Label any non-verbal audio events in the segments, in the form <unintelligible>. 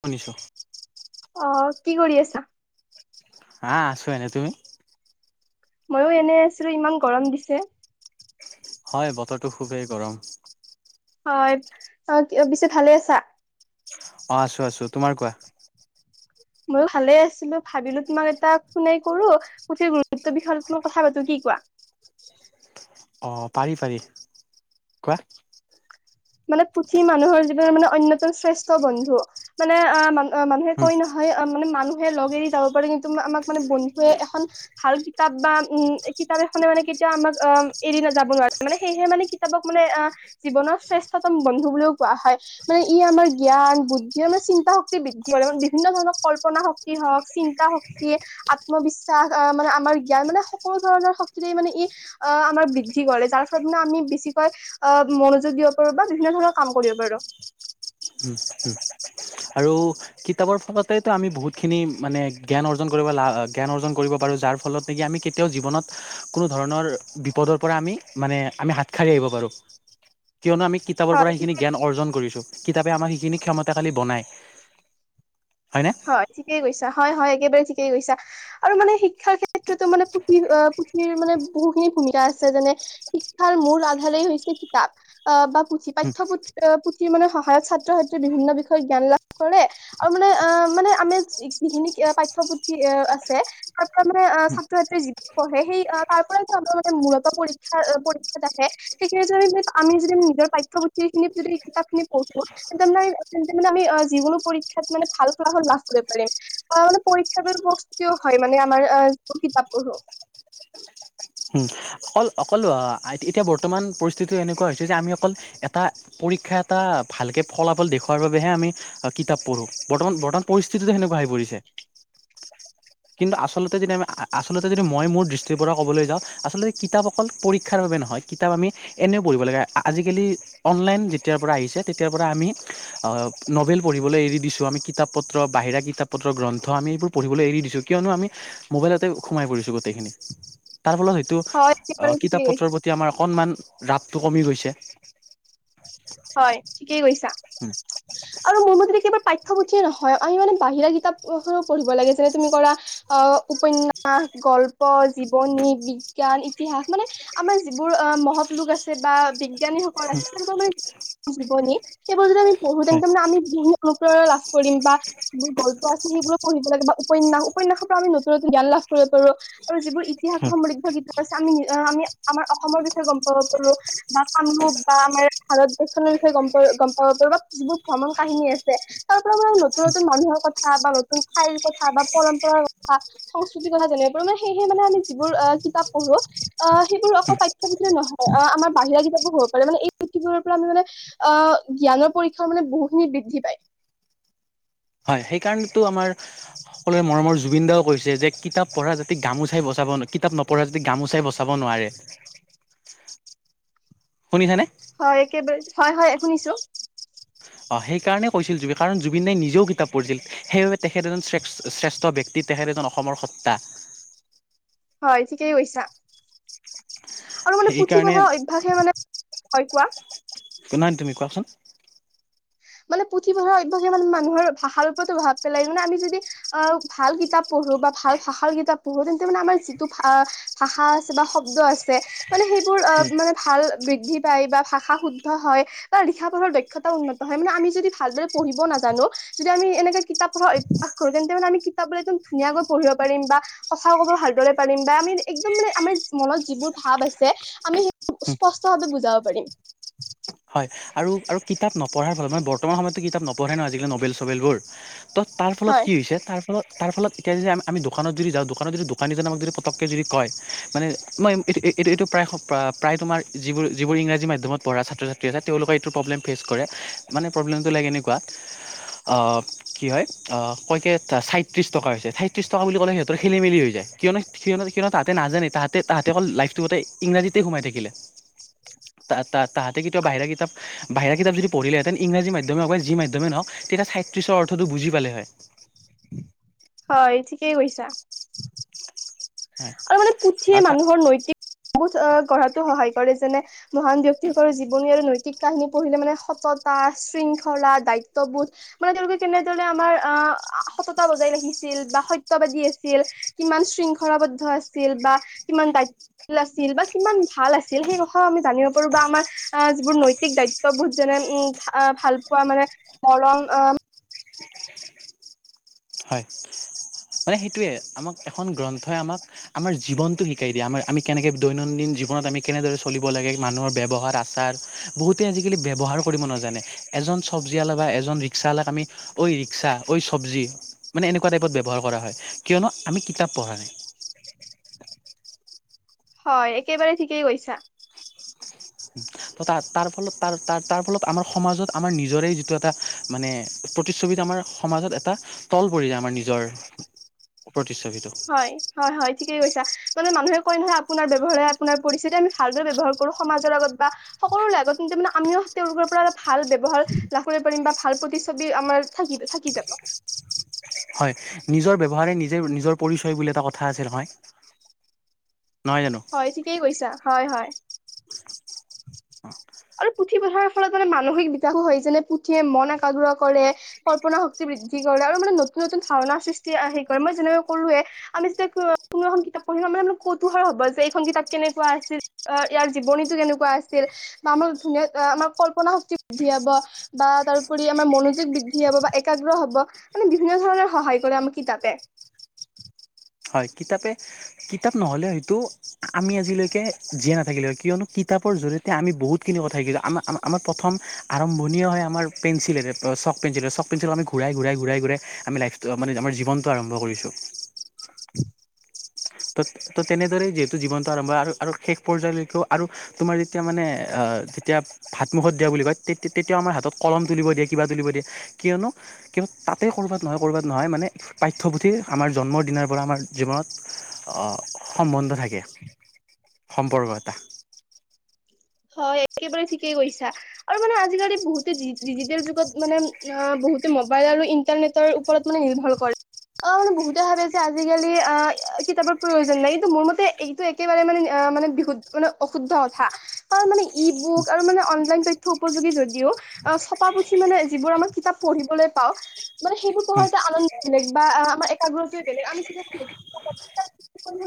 শুনিছো৷ অ কি কৰি আছা? হা, আছোঁ এনে৷ তুমি? মইয়ো এনে আছিলোঁ, ইমান গৰম দিছে৷ হয় বতৰটো খুবেই গৰম৷ হয়৷ অ পিছে ভালে আছা? অ আছোঁ আছো৷তোমাৰ কোৱা৷ মইয়ো ভালে আছিলো৷ ভাবিলো তোমাক এটা ফোনেই কৰোঁ, পুথিৰ গুৰুত্বৰ বিষয়ে অলপ কথা পাতো৷ কি কোৱা৷ <inaudible> অ পাৰি পাৰি৷ কোৱা? মানে পুথি মানুহৰ জীৱনৰ মানে অন্যতম শ্ৰেষ্ঠ বন্ধু৷ মানে আহ মা অ মানুহে উম কৈ নহয়, মানে মানুহে লগ এৰি যাব পাৰে কিন্তু আমাক মানে বন্ধুৱে এখন ভাল কিতাপ বা উম কিতাপ এ কিতাপ খনে মানে কেতিয়াও আমাক-আ এৰি নাযাব নোৱাৰে সেয়েহে মানে কিতাপক মানে জীৱনৰ শ্ৰেষ্ঠ <unintelligible> বন্ধু বুলিও কোৱা হয়, মানে ই আমাৰ জ্ঞান, বুদ্ধি আমাৰ চিন্তা শক্তি বৃদ্ধি কৰে৷ মানে বিভিন্ন ধৰণৰ কল্পনা শক্তি হওক, চিন্তা শক্তি, আত্মবিশ্বাস, মানে আমাৰ জ্ঞান মানে সকলো ধৰণৰ শক্তিৰে মানে ই অ' আমাৰ বৃদ্ধি কৰে। যাৰ ফলত মানে আমি বেছিকৈ অ' মনোযোগ দি কৰো বিভিন্ন ধৰণৰ কাম কৰিব পাৰো। উম উম আৰু কিতাপৰ ফলতেতো আমি বহুতখিনি মানে জ্ঞান অৰ্জন কৰিব লা জ্ঞান অৰ্জন কৰিব পাৰো। যাৰ ফলত নেকি আমি কেতিয়াও জীৱনত কোনো ধৰণৰ বিপদৰ পৰা আমি মানে আমি হা- ত হাৰি আহিব পাৰোঁ। কিয়নো আমি কিতাপৰ পৰা হয়, সেইখিনি ঠিকে- জ্ঞান অৰ্জন কৰিছোঁ। কিতাপে আমাক সিখিনি ক্ষমতাকালি বনাই। হয় ঠিকেই কৈছ হয় হয় একেবাৰে ঠিকেই কৈছা আৰু মানে শিক্ষাৰ ক্ষেত্ৰতো মানে পুথি, পুথিৰ মানে বহুখিনি সুবিধা আছে যেনে শিক্ষাৰ মূল আধাৰেই হৈছে কিতাপ বা পুথি, পাঠ্য পু- থিৰ মানে সহায়ত ছাত্ৰ-ছাত্ৰীয়ে বিভিন্ন বিষয়ত জ্ঞান লাভ কৰে আৰু মানে অ' মানে আমি যি, যিখিনি পাঠ্য-পুথি আছে তাৰ পৰা মানে অ' ছাত্ৰ-ছাত্ৰী যি পঢ়ে সে- ই তাৰ পৰা যে আমাৰ মানে মূলত পৰীক্ষাৰ পৰীক্ষাত আহে সেইখিনিত আমি যদি নিজৰ পা- ঠ্য পুথি খিনি যদি কিতাপ খিনি পঢ়ো তেন্তে মানে আমি অ' তেন্তে মানে আমি যিকোনো পৰীক্ষাত মানে ভাল ফলাফল লাভ কৰিব পাৰিম মানে পৰীক্ষা প্ৰস্তুতিও হয় মান আাৰ আহ কিতাপ পঢ়ো <unintelligible> অকল অকল অ' আই, এতিয়া বৰ্তমান পৰিস্থিতিটো এনেকুৱা হৈছে যে আমি অকল এটা পৰীক্ষা এটা ভালকে ফলাফল দেখুওৱাৰ বাবেহে আমি কিতাপ পঢ়োঁ বৰ্তমান, বৰ্তমান পৰিস্থিতিটো সেনেকুৱা আহি পৰিছে। কিন্তু আচলতে যদি আমি আ' আচলতে যদি মই মোৰ দৃষ্টিৰ পৰা ক'বলৈ যাওঁ আচলে- কিতাপ অকল পৰীক্ষাৰ বাবে নহয় কিতাপ আমি এনেও পঢ়িব লাগে আজিকালি অনলাইন যেতিয়াৰ পৰা আহিছে তেতিয়াৰ পৰা আমি নভেল পঢ়িবলৈ এৰি দিছো আমি কিতাপ পত্ৰ, বাহিৰা কিতাপ পত্ৰ গ্ৰন্- ন্থ, আমি এইবোৰ পঢ়িবলৈ এৰি দিছোঁ কিয়নো আমি মোবাইলতে সোমাই পৰিছোঁ গোটেইখিনি তাৰ ফলত হয়তো হয় একেবাৰে আহ ঠিকেই কিতাপ কৈছা, পত্ৰৰ প্ৰতি আমাৰ অকনমান ৰাপটো কমি গৈছে। হয় ঠিকেই কৈছা আৰু মোৰ ম'তে যে কিবা পা- ঠ্য-পুঠিয়ে নহয় আমি মানে বাহিৰা কিতাপ এখনো পঢ়িব লাগে যেনে তুমি কৰা অ' উপন্যাস, গল্প, জীৱনী, বিজ্ঞান, ইতিহাস মানে আমাৰ যিবোৰ মহৎ লোক আছে বা বিজ্ঞানীসকল আছে তেনেকা মানে, জীৱনী, সেইবোৰ যদি আমি পঢ়ো তেন্তে মানে আমি বহু- উপকাৰ লাভ কৰিম বা যিবোৰ গল্প আছে সেইবোৰ পঢ়িব লাগে বা উপন্যাস, উপনাসৰ পৰা আমি নতুন-নতুন জ্ঞান লাভ কৰিব পাৰো আৰু যিবোৰ ইতিহাস সমৃদ্ধ কিতা- প আছে, আমি, আমি আমাৰ অসমৰ বিষয়ে গম পাব পাৰো বা কামৰূপ বা আমাৰ ভাৰত নৰ বিষয়ে গম প' গম পাব পাৰো বা যিবোৰ ভ্ৰমণ কাহিনী আছে তাৰ পৰা ম নতুন নতুন মানুহৰ কথা বা নতুন ঠাইৰ কথা বা পৰম্পৰাৰ কথা সংস্কৃতিৰ কথা জানিব পাৰো মানে সেয়েহে মানে আমি যিবোৰ কিতাপ পঢ়ো আহ' সেইবোৰ অকল পাঠ্য-পুথিয়ে নহয় আহ' আমাৰ বাহিৰা কিতাপবোৰো পঢ়িব পাৰি মানে এই পুথিবোৰ পৰা মানে আহ' জ্ঞানৰ পৰীক্ষা মানে বহুখিনি বৃদ্ধি পায়। হয় সেইকাৰণেতো আমাৰ সকলোৰে মৰমৰ জুবিন দাও কৈছে যে, কিতাপ পঢ়া যাতে গামোচাই বচাব কিতাপ নপঢ়া যদি গামোচাই বচাব নোৱাৰে। শুনিছানে হয় একেবাৰে, হয় হয় শুনিছো। অ' সেইকাৰণে কৈছিল জুবি, কাৰণ জুবিন দাই নিজেও কিতাপ পঢ়িছিল। সেইবাবে তেখেত এজন শ্ৰে, শ্ৰেষ্ঠ ব্যক্তিত তেখেত এজন অসমৰ সত্তা হয় ঠিকেই কৈছা আৰু মানে পুথি সেইকাৰণে পঢ়া অভ্যাসে মানে হয় কোৱা! কিমান তুমি কোৱাচোন মানে পুথিপঢ়াৰ অভ্যাসে মানে মানুহৰ ভাষাৰ ওপৰত প্ৰভাৱ পেলাই মানে আমি যদি আহ ভাল কিতাপ পঢ়ো বা ভাল ভাষাৰ কিতাপ পঢ়ো তেন্তে মানে আমাৰ যিটো আ' ভাষা আছে বা শব্দ আছে মানে সেইবোৰ অ' মানে ভাল বৃদ্ধি পায় বা ভাষা শুদ্ধ হয় বা লিখা পঢ়ৰ দক্ষতা উন্নত হয়, মানে আমি যদি ভালদৰে পঢ়িব নাজানো যদি আমি এনেক কিতাপ পঢ়া অভ্যাস কৰো তেন্তে মানে আমি কিতাপবিলাক একদম- ধুনীয়াকৈ পঢ়িব পাৰিম বা কথা ক'ব ভালদৰে পাৰিম বা আমি একদম মানে আমাৰ মনত যিবোৰ ভাব আ- ছে। আমি সেই-বো স্পষ্ট ভাৱে বুজাব পাৰিম। হয়, আৰু, আৰু কিতাপ নপঢ়াই হ'ল মানে বৰ্তমান সময়ততো কিতাপ নপঢ়ে ন' আজিকালি নবেল-চবেল বোৰ ত' তাৰ ফলত হয় কি হৈছে তাৰ ফলত তাৰ ফলত এতিয়া যদি আমি, আমি দোকানত যদি যাওঁ দোকানত যদি দোকানীজনে আমাক যদি পতককে যদি কয়, মানে মই, এই, এই- ইটো-এইটো প্ৰায়, প্ৰায় তোমাৰ যিবোৰ, যিবোৰ ইংৰাজী মাধ্যমত পঢ়া ছাত্ৰ-ছা- ত্ৰী আছে তেওঁলোকে এইটো প্ৰব্লেম ফেচ কৰে, মানে প্ৰব্লেমটো লাইক এনেকুৱা অ' কি হয় অ' কয়কে ছাইত্ৰিশ টকা হৈছে, ছাইত্ৰিশ টকা বুলি কলে সিহঁতৰ খেলি মেলি যায়। কিয়নো সিহঁতে কিয়নো তাতে নাই নাজানে, তাহাঁতে লাইফটোত অকল ইংৰাজীতে সোমাই থাকিলে। তা তাহাঁতে বাহিৰা কিতাপ, বাহিৰা কিতাপ যদি পঢ়িলেতেন ইংৰাজী মাধ্যমে হওক বা যি মাধ্যমে নহওক তেতিয়া ছাইত্ৰিশ অৰ্থটো বুজি পালে হয়। হয়, ঠিকেই কৈছা। হয় আৰু মানে পুথিয়ে আৰু তাক মানুহৰ নৈতিক বোধ গঢ়াতো সহায় কৰে যেনে মহান ব্যক্তিসকলৰ জীৱনী আৰু নৈতিক কাহিনী পঢ়িলে মানে। সততা, শৃংখলা, দায়িত্ববোধ মানে তেওঁলোকে কেনেদৰে আমাৰ আহ সততা বজাই ৰাখিছিল বা সত্যবাদী আছিল। কিমান শৃংখলাবদ্ধ আছিল বা কিমান দায়িত্বশীল আছিল বা কিমান ভাল আছিল সেই কথাও আমি জানিব পাৰো। বা আমাৰ আহ যিবোৰ নৈতিক দায়িত্ববোধ যেনে উম ভাল পোৱা মানে মৰম। আহ হয়। মানে সেইটোয়ে, আমাক এখন গ্ৰন্থই আমাক আমাৰ জীৱনটো শিকাই দিয়ে। আমাৰ আমি কেনেকে দৈনন্দিন জীৱনত আমি কেনেদৰে চলিব লাগে, মানুহৰ ব্যৱহাৰ আচাৰ বহুতে আজিকালি ব্যৱহাৰ কৰিব নাজানে। এজন চব্জি অলা বা এজন ৰিক্সা অলাক আমি ঐ ৰিক্সা, ঐ চব্জি। মানে এনেকুৱা টাইপত ব্যৱহাৰ কৰা হয়, কিয়নো আমি কিতাপ পঢ়া নাই। হয়, একেবাৰে ঠিকেই কৈছা। ত' তাৰ তাৰ ফলত, তাৰ তাৰ তাৰ ফলত আমাৰ সমাজত আমাৰ নিজৰে যিটো এটা মানে প্ৰতিচ্ছবিত আমাৰ মাজত এটা তল পৰি যায় আমাৰ নিজৰ প্ৰতি। হয়-হয়-হয় ঠিকেই গৈছ <unintelligible> তাৰমানে মানুহে কয় নহয় আপোনাৰ ব্যৱহাৰে আপোনাৰ পৰিস্থিতি তে আমি ভালদৰে ব্যৱহাৰ কৰো সমাজৰ লগত বা সকলো <unintelligible> কিন্তু মানে আমিও তেওঁলোকৰ পৰা <unintelligible> ভাল ব্যৱহাৰ লাভ কৰিব পাৰিম বা ভাল প্ৰতিচ্ছবি আমাৰ থাকিব থাকি <unintelligible> <unintelligible> হয় নিজৰ ব্যৱহাৰে নিজে নিজৰ পৰিচয় বুলি এটা কথা আছে নহয়? নহয় জানো হয় ঠিকেই কৈছা হয়-হয়। আৰু পুথি পথাৰৰ ফলত মানে মানসিক বিকাশো হয় যেনে পুথিয়ে মন একাগ্ৰ কৰে কল্পনা শক্তিৰ বৃদ্ধি কৰে আৰু মানে নতুন-নতুন ধাৰণা সৃষ্টি <unintelligible> মই যেনেকৈ কলোৱে আমি যেতিয়া কোনো এখন কিতাপ <unintelligible> কৌতুহল হ'ব যে এইখন কিতাপ কেনেকুৱা আছিল অ, ইয়াৰ জীৱনীটো কেনেকুৱা আছিল বা আমাৰ ধুনীয়া আমাৰ এ কল্পনা শক্তি বৃদ্ধি হাব বা তাৰউপৰি আমাৰ মনোযোগ বৃদ্ধি হ'ব বা একা <unintelligible> হব মানে বিভিন্ন ধৰণৰ সহায় কৰে আমাক কিতাপে। <unintelligible> হয় কিতাপে কিতাপ নহলে হয়তো আমি আজিলৈকে জীয়াই নাথাকিলো হয় কিয়নো কি কিতাপৰ জৰিয়তে আমি বহুতখিনি কথা শিকিছোঁ আমা-আমা-আমাৰ প্ৰথম আৰম্ভণি হয় আমাৰ পেঞ্চিলেৰে অ, চ'ক পেঞ্চিলেৰে চক পেঞ্চিল আমি ঘূৰাই- ঘূৰাই - ঘূৰাই - ঘূৰাই আমি লাইফটো মানে আমাৰ জীৱনটো আৰম্ভ কৰিছোঁ। <unintelligible> ত' তো তেনেদৰেই যিহেতু জীৱনটো আৰম্ভ আৰু- আৰু শেষ পৰ্যায়লৈকেও আৰু তোমাৰ যেতিয়া মানে অ যেতিয়া ভাতমুখত দিয়া বুলি কয় তেত- তেতিয়াও আমাৰ হাতত কলম তুলিব দিয়ে কিবা তুলিব দিয়ে কিয়নো কিয় তাতে ক'ৰবাত নহয় ক'ৰবাত নহয় মানে পাঠ্যপুথি আমাৰ জন্ম দিনাৰ পৰা আমাৰ জীৱনত অ, সম্বন্ধ থাকে। সম্পৰ্ক এটা। হয় একেবাৰে ঠিকেই কৈছা আৰু মানে আজিকালি বহুতে ডিজিটেল যুগত মানে অহ বহুত। গোটেই মোবাইল আৰু ইণ্টাৰনেটৰ ওপৰত মানে নিৰ্ভৰ কৰে। অহ মানে বহুতে ভাৱে যে আজিকালি অহ কিতাপৰ প্ৰয়োজন নাই এইটো মোৰ মতে এইটো একেবাৰে মানে। তাৰমানে বিশু মানে অশুদ্ধ কথা কাৰণ মানে‌ ই বুক আৰু মানে অনলাইন ত। থ্য উপযোগী যদিও অহ ছপা পুথি মানে যিবোৰ আমাৰ কিতাপ পঢ়িবলৈ পাওঁ। মানে সেইবোৰ পঢ়াৰ যে আনন্দ বেলেগ বা আমাৰ একাগ্ৰতাটোৱে বেলেগ আমি যেতিয়া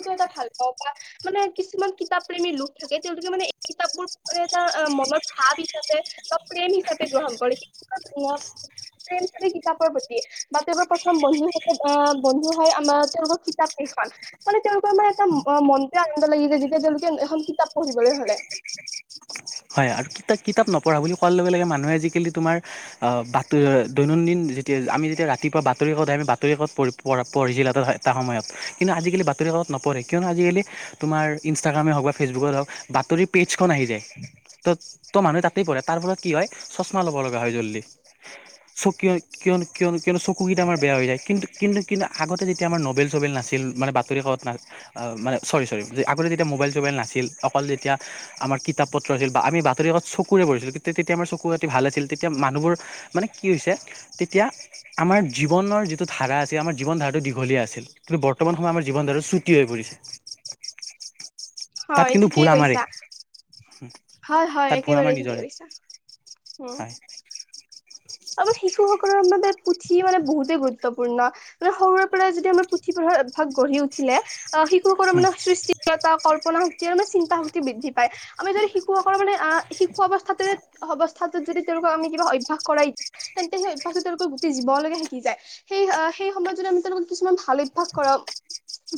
ত এটা ভাল পাওঁ বা মানে কিছুমান কিতাপ প্ৰেমীৰ লোক থাকে, তেওঁলোকে মানে এই কিতাপবোৰ মানে এটা মনৰ ভাৱ হিচাপে বা প্ৰেম হিচাপে গ্ৰহণ কৰে কি প্ৰেম থাকে কিতাপৰ প্ৰতি বা তেওঁৰ প্ৰথম বন্ধুতে বা বন্ধু হয় আমাৰ তেওঁলোকৰ কিতাপ খন মানে তেওঁলোকৰ মানে এটা মনতে আনন্দ লাগি যায়, যেতিয়া তেওঁলোকে এখন কিতাপ পঢ়িবলৈ ধলে হয় আৰু কিতাপ- কিতাপ নপঢ়া বুলি কোৱাৰ লগে লগে মানুহে আজিকালি তোমাৰ বাত দৈনন্দিন যেতিয়া আমি যেতিয়া ৰাতিপুৱা বাতৰি কাকত আহে, আমি বাতৰি কাকত পঢ় প পঢ়িছিলো এটা এটা সময়ত কিন্তু আজিকালি বাতৰি ত নপঢ়ে কিয়নো আজিকালি তোমাৰ ইনষ্টাগ্ৰামে হওক বা ফেচবুকত হওক বাতৰিৰ পেজখন আহি যায়। ত তো মানুহে তাতেই পৰে তাৰ ফলত কি হয় চশমা ল'ব লগা হয় জল্দি চ কিয় কিয়নো কিয়নো কিয়নো চকুকেইটা আমাৰ বেয়া হৈ যায় কিন্তু কিন্তু কিন্তু আগতে যেতিয়া আমাৰ মভেল চবেল নাছিল মানে বাতৰি কাকত নাই আ মানে চৰি চৰি আগতে যেতিয়া মোবাইল চবাইল নাছিল অকল যেতিয়া আমাৰ কিতাপ পত ত্ৰজেক বা আমি বাতৰিকাকত চকুৰে পঢ়িছিলো তেতিয়া আমাৰ চকু পাতি ভাল আছিল তেতিয়া মানুহবোৰ মানে কি হৈছে তেতিয়া আমাৰ জীৱনৰ যিটো ধাৰা আছিল আমাৰ জীৱন ধাৰাটো দীঘলীয়া আছিল কিন্তু বৰ্তমান সময় আমাৰ জীৱন যে ছুটি হৈ পৰিছে তাত হয় কিন্তু ভুল ঠিকেই আমাৰেই কৈছা হয় হয় তাত ভুল আমাৰ একেবাৰে ঠিকেই নিজৰে কৈছা উম আমাৰ শিশুসকলৰ মানে পুথি মানে বহুতে গ গুৰুত্বপূৰ্ণ মানে সৰুৰে পৰাই যদি আমাৰ পুথি পঢ়াৰ অভ্যাস গঢ়ি উঠিলে আহ শিশুসকলৰ মানে সৃষ্টিশীলতা, কল্পনা শক্তি আৰু মানে চিন্তা শক্তি বৃদ্ধি পায়। আমি যদি শিশুসকলৰ মানে আ শিশু অৱস্থা অৱস্থাটোত যদি তেওঁলোকক আমি কিবা অভ্যাস কৰাই তেন্তে সেই অভ্যাসটো তেওঁলোকৰ গোটেই জীৱনলৈকে থাকি যায় সেই সেই সময়ত যদি আমি তেওঁলোকক কিছুমান ভাল অভ্যাস কৰাম।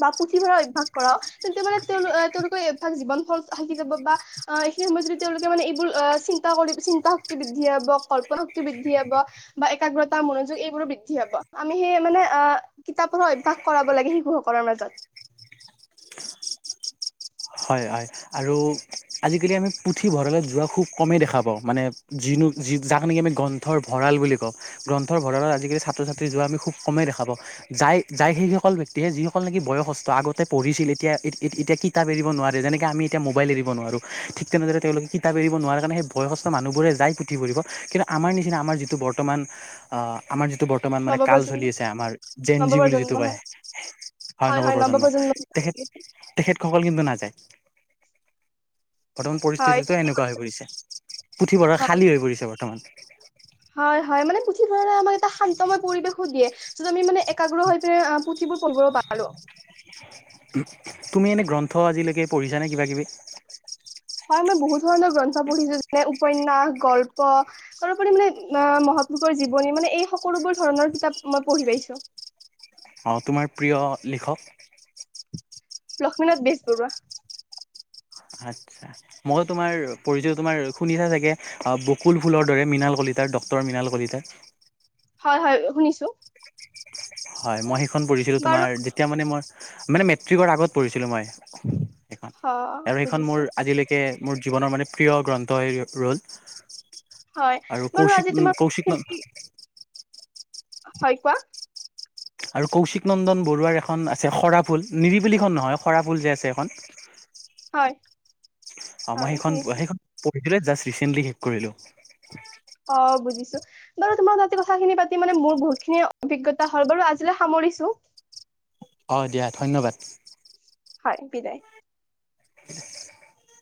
বা পুথি পঢ়াৰ অভ্যাস কৰাও তেতিয়া মানে তেওঁল তেওঁলোকৰ এই অভ্যাস জীৱন ভৰ থাকি যাব বা এইখিনি সময়ত যদি তেওঁলোকে মানে এইবোৰ চিন্তা কৰি চিন্তা শক্তি বৃদ্ধি হ'ব, কল্পনা শক্তি বৃদ্ধি হ'ব বা একাগ্ৰতা, মনোযোগ এইবোৰো বৃদ্ধি হ'ব, আমি সেই মানে এ কিতাপ পঢ়া অভ্যাস কৰাব লাগে শিশুসকলৰ মাজত। <unintelligible> হয় হয় আৰু আজিকালি আমি পুথিভঁৰালত যোৱা খুব কমেই দেখা পাওঁ মানে যিন যি যাক নেকি মানে আমি গ্ৰন্থৰ ভঁৰাল বুলি কও, গ্ৰন্থৰ ভঁৰালত আজিকালি ছাত্ৰ -ছাত্ৰী যোৱা আমি খুব কমেই দেখা পাও। যাই যাই সেইসকল ব্যক্তিহে যিসকল নেকি বয়সস্থ আগতে পঢ়িছিল, এতিয়া এতিয়া কি কিতাপ এৰিব নোৱাৰে যেনেকে আমি এতিয়া মোবাইল এৰিব নোৱাৰো ঠিক তেনেদৰে তেওঁলোকে কিতাপ এৰিব নোৱাৰে কাৰণে সেই বয়সস্থ মানুহবোৰে যায় পুথি পঢ়িব কিন্তু আমাৰ নিচিনা আমাৰ যিটো বৰ্তমান আ আমাৰ যি টো বৰ্তমান মানে কাল নৱপ্ৰজন্ম চলি আছে আমাৰ জেন জি বুলি নৱপ্ৰজন্ম যিটো কয় হয় হয় নৱপ্ৰজন্ম তেখেত তেখেতসকল কিন্তু নাযায় বৰ্তমান হয় পৰিস্থিতিটো ঠিকেই এনেকুৱা হৈ পৰিছে পুথিভঁৰাল কথা খালী হৈ পৰিছে বৰ্তমান হয় হয় মানে পুথিভঁৰালে আমাক এটা শান্তময় পৰিৱেশো দিয়ে য'ত আমি মানে একাগ্ৰ হৈ পিনে পুথিবোৰ পঢ়িবও পাৰো। তুমি এনেই গ্ৰন্থ আজিলৈকে পঢ়িছানে কিবা কিবি? হয় মই বহুত ধৰণৰ গ্ৰন্থ পঢ়িছো যেনে উপন্যাস, গল্প তাৰোপৰি মানে আহ মহাপুৰুষৰ জীৱনী মানে এই সকলোবোৰ ধৰণৰ কিতাপ মই পঢ়ি পাইছো। অ' তোমাৰ প্ৰিয় লিখক? লক্ষ্মীনাথ বেজবৰুৱা। আচ্ছা, মই তোমাৰ পঢ়িছো তোমাৰ শুনিছা চাগে 'বকুল ফুলৰ দৰে' মৃণাল কলিতাৰ, ডক্টৰ মৃণাল কলিতাৰ। হয় হয় শুনিছো। হয় মই সেইখন পঢ়িছিলোঁ বাৰু তোমাৰ যেতিয়া মানে মই মানে মেট্ৰিকৰ আগত পঢ়িছিলোঁ মই। সেইখন অ আৰু সেইখন মোৰ বুজিছো আজিলৈকে মোৰ জীৱনৰ মানে প্ৰিয় গ্ৰন্থ হৈ ৰ'ল। হয় আৰু বাৰু কৌশিক আজি তোমাৰ কৌশিক ন কথাখিনি হয় কোৱা আৰু কৌশিক নন্দন বৰুৱাৰ এখন আছে সৰা ফুল নিৰিবিলিখন নহয় সৰা ফুল যে আছে এখন। হয় হয় শুনিছো। সেইটো জাষ্ট ৰিচেণ্টলি শেষ কৰিলোঁ। অ বুজিছো বাৰু তোমাৰ আজি কথাখিনি পাতি মানে মোৰ বহুতখিনি অভিজ্ঞতা হল বাৰু আজিলৈ সামৰিছোঁ। অ দিয়া ধন্যবাদ। হয় বিদায়। <unintelligible>